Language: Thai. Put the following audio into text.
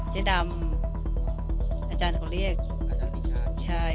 เจ๊ดำอาจารย์เขาเรียกอาจารย์วิชาใช่